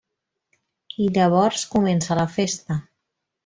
I llavors comença la festa.